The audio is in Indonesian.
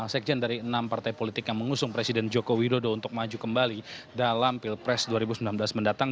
sekjen dari enam partai politik yang mengusung presiden joko widodo untuk maju kembali dalam pilpres dua ribu sembilan belas mendatang